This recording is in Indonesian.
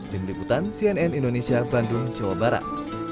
dibutakan cnn indonesia bandung jawa barat